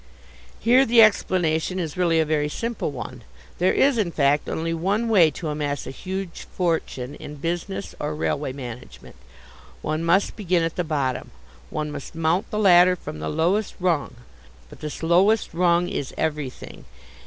Here the explanation is really a very simple one. There is, in fact, only one way to amass a huge fortune in business or railway management. One must begin at the bottom. One must mount the ladder from the lowest rung. But this lowest rung is everything.